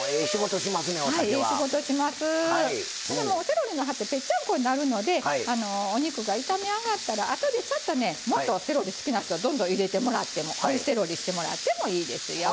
セロリの葉ってぺっちゃんこになるのでお肉が炒め上がったらあとでちょっとねもっとセロリ好きな人はどんどん入れてもらっても追いセロリしてもらってもいいですよ。